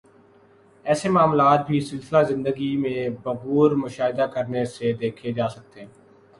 ایسے معاملات بھی سلسلہ زندگی میں بغور مشاہدہ کرنے سے دیکھے جا سکتے ہیں